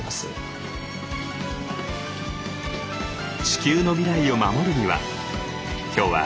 地球の未来を守るには？